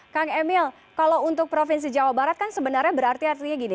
kang emil kalau untuk provinsi jawa barat kan sebenarnya berarti artinya gini